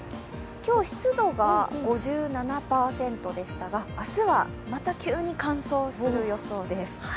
今日、湿度が５７％でしたが、明日は、また急に乾燥する予想です